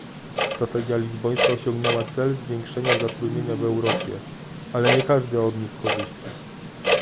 Strategia lizbońska osiągnęła cel zwiększenia zatrudnienia w Europie, ale nie każdy odniósł korzyści